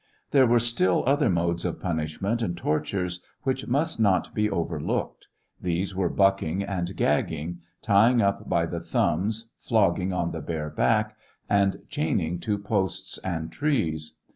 There were still other modes of punishment and tortures which must not be overlooked ; these were bucking and. gagging, tying up by the thumbs, flogging on the bare back, and chaining to posts and trees.